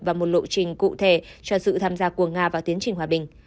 và một lộ trình cụ thể cho sự tham gia của nga vào tiến trình hòa bình